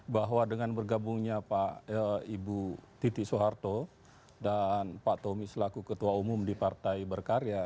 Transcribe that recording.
bahwa dengan bergabungnya hoap pak ibu titik suharto dan pak tommy selaku ketua umum di partai berkarya